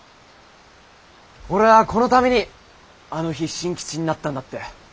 俺ぁこのためにあの日進吉になったんだって。